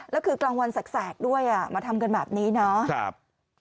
แล้วคือกลางวันแสกด้วยมาทำกันแบบนี้เนาะ